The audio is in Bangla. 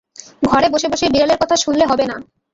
ঘরে বসে-বসে বিড়ালের কথা শুনলে হবে না।